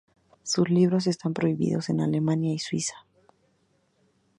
Sus libros están prohibidos en Alemania y Suiza.